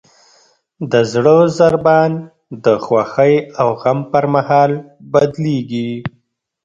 د زړه ضربان د خوښۍ او غم پر مهال بدلېږي.